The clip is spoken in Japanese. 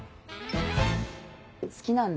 好きなんだ？